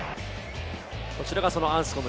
こちらがアンスコム。